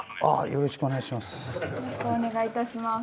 よろしくお願いします。